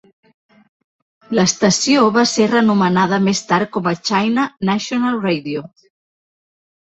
L'estació va ser renomenada més tard com China National Radio.